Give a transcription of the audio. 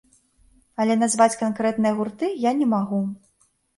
Але назваць канкрэтныя гурты я не магу.